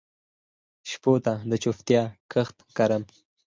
شپو ته د چوپتیا کښت کرم